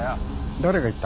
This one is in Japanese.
誰が言った！